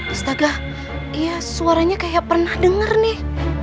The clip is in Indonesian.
astaga iya suaranya kayak pernah denger nih